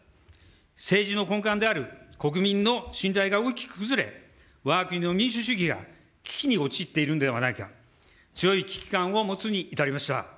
政治の根幹である国民の信頼が大きく崩れ、わが国の民主主義が危機に陥っているんではないか、強い危機感を持つに至りました。